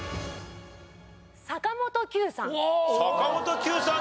坂本九さん